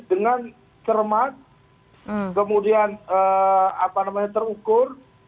dengan cermat kemudian terukur